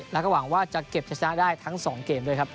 แล้วก็หวังว่าจะเก็บชนะได้ทั้ง๒เกมด้วยครับ